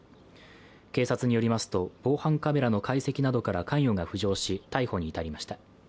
警察によりますと防犯カメラの解析などから関与が浮上し逮捕に至りました。